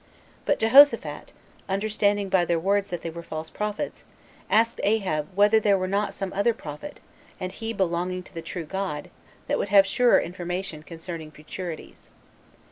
But Jehoshaphat, understanding by their words that they were false prophets, asked Ahab whether there were not some other prophet, and he belonging to the true God, that we may have surer information concerning futurities.